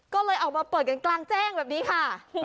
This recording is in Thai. ก็เลยออกมาเปิดกันกลางแจ้งแบบนี้ค่ะ